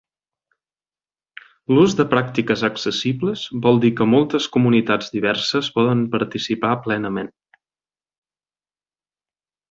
L'ús de pràctiques accessibles vol dir que moltes comunitats diverses poden participar plenament.